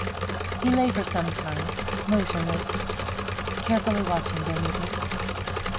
He lay for some time motionless, carefully watching their movements.